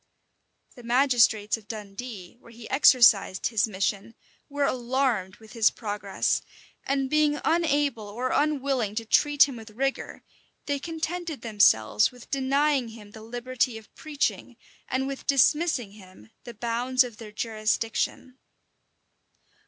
The magistrates of Dundee, where he exercised his mission, were alarmed with his progress; and being unable or unwilling to treat him with rigor, they contented themselves with denying him the liberty of preaching, and with dismissing him the bounds of their jurisdiction.